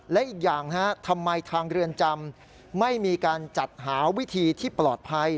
และอีกอย่างทำไมทางเรือนจำไม่มีการจัดหาวิธีที่ปลอดภัย